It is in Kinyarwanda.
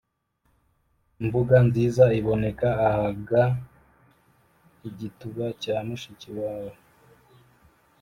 imbuga nziza iboneka ahaga: igituba cya mushiki wawe